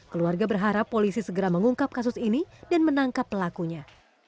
keluarga berharap polisi segera mengungkap kasus ini dan menangkap pelakunya